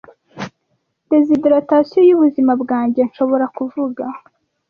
Dehidration y'ubuzima bwanjye nshobora kuvuga